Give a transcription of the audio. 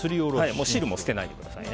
汁も捨てないでください。